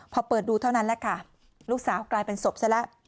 พอเปิดดูเท่านั้นแหละค่ะลูกสาวกลายเป็นศพซะแล้ว